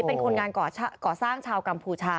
เป็นคนงานก่อสร้างชาวกัมพูชา